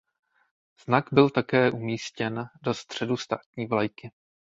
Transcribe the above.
Znak byl také umístěn do středu státní vlajky.